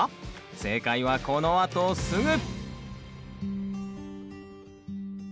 正解はこのあとすぐ！